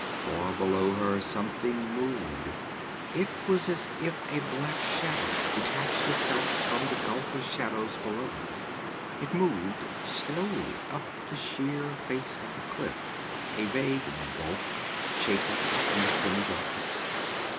Far below her something moved. It was as if a black shadow detached itself from the gulf of shadows below her. It moved slowly up the sheer face of the cliff a vague bulk, shapeless in the semi darkness.